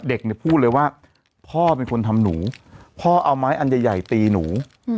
เด็กเนี่ยพูดเลยว่าพ่อเป็นคนทำหนูพ่อเอาไม้อันใหญ่ตีหนู